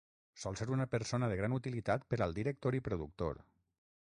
Sol ser una persona de gran utilitat per al director i productor.